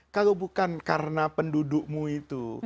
kalau bukan karena pendudukmu itu